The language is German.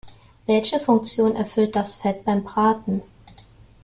Welche Funktion erfüllt das Fett beim Braten?